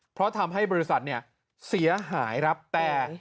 เพราะทำให้บริษัทเนี่ยเสียหายครับแต่